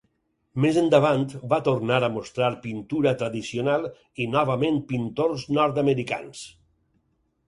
Més endavant va tornar a mostrar pintura tradicional i novament pintors nord-americans.